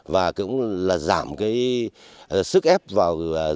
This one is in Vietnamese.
và cũng giảm sức ép vào rừng của vườn quốc gia ba bể